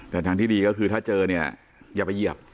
แต่ทางที่ดีก็คือถ้าเจอเนี่ยอย่าไปเหยียบ